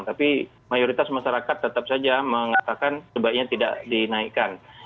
tapi mayoritas masyarakat tetap saja mengatakan sebaiknya tidak dinaikkan